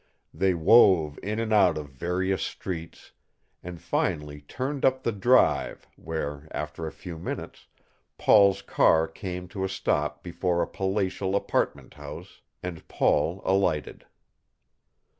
They wove in and out of various streets and finally turned up the Drive, where, after a few minutes, Paul's car came to a stop before a palatial apartment house and Paul alighted.